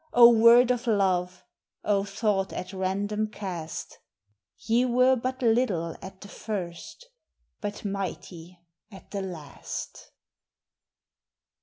O word of love! O thought at random cast! Ye were but little at the first, but mighty at the last.